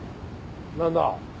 何だ？